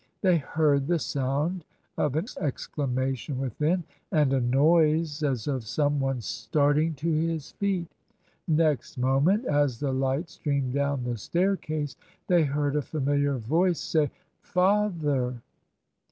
They heard the sound of an exclamation within, and a noise as of some one starting to his feet. Next moment, as the light streamed down the staircase, they heard a familiar voice say "Father!"